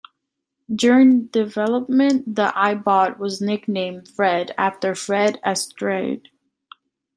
During development the iBot was nicknamed Fred after Fred Astaire.